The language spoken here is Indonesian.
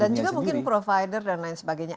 dan juga mungkin provider dan lain sebagainya